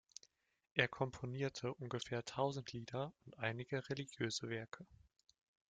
Er komponierte ungefähr tausend Lieder und einige religiöse Werke.